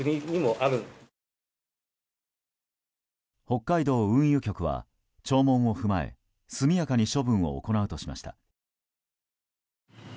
北海道運輸局は聴聞を踏まえ速やかに処分を行うとしました。